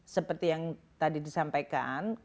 seperti yang tadi disampaikan